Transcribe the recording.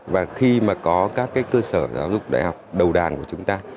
và khi mà có các cơ sở giáo dục đại học đầu đàn của chúng ta